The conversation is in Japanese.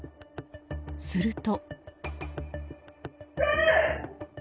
すると。